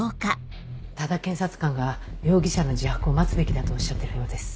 多田検察官が容疑者の自白を待つべきだとおっしゃってるようです。